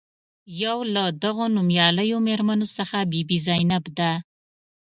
یو له دغو نومیالیو میرمنو څخه بي بي زینب ده.